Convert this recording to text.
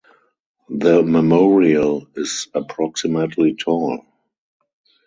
The memorial is approximately tall.